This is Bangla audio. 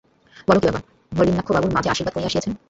বল কী বাবা, নলিনাক্ষবাবুর মা যে আশীর্বাদ করিয়া আসিয়াছেন!